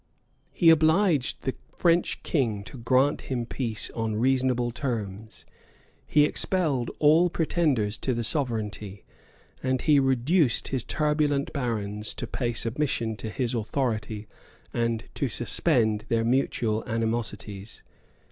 ] He obliged the French king to grant him peace on reasonable terms; he expelled all pretenders to the sovereignty; and he reduced his turbulent barons to pay submission to his authority, and to suspend their mutual animosities.